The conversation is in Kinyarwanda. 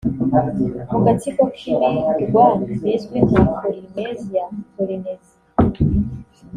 mu gatsiko k’ibirwa bizwi nka Polinesia/Polinesie